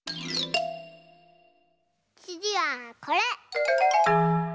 つぎはこれ！